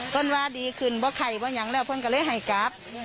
เพื่อนว่าดีขึ้นเพราะไข่เพราะอย่างนั้นแล้วเพื่อนก็เลยให้กลับ